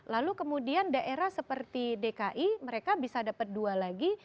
lalu kemudian daerah seperti dki mereka bisa dapat dua lagi